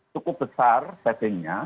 cukup besar savingnya